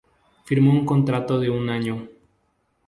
Firmó un contrato de un año.